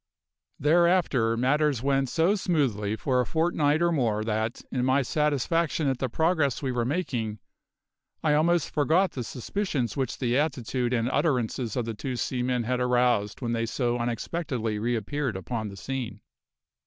Thereafter matters went so smoothly for a fortnight or more that, in my satisfaction at the progress we were making, I almost forgot the suspicions which the attitude and utterances of the two seamen had aroused when they so unexpectedly reappeared upon the scene.